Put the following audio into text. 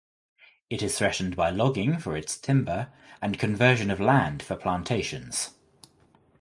It is threatened by logging for its timber and conversion of land for plantations.